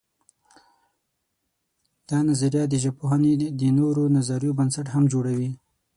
دا نظریه د ژبپوهنې د نورو نظریو بنسټ هم جوړوي.